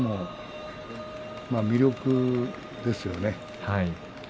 魅力ですよね。